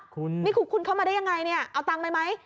คุณเข้ามาได้ยังไงเนี่ยเอาตังค์มาไหม